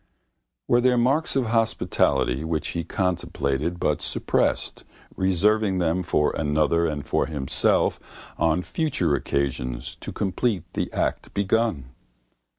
Were there marks of hospitality which he contemplated but suppressed, reserving them for another and for himself on future occasions to complete the act begun?